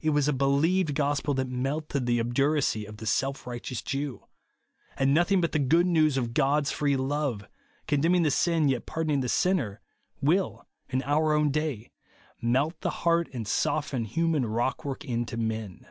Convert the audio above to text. It was a believed gospel that melted the obduracy of the self righteous Jew ; and nothing but the good news of God's free love, condemning the sin yet pardoning the sinner, will, in our own day, melt the heart and " soften human rockwork into men."